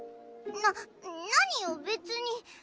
な何よ別に。